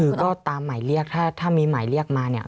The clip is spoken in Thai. คือก็ตามหมายเรียกถ้ามีหมายเรียกมาเนี่ย